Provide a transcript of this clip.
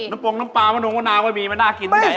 น้ำปรงน้ำปลามะนุ้งมะนาวไม่มีมันน่ากินไง